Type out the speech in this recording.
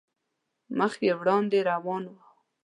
مخ په وړاندې روان وو.